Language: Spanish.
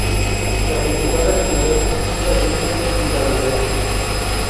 La principal actividad es la agrícola y ganadera.